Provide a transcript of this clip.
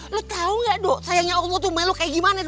lo tau gak do sayangnya allah tuh meluk kayak gimana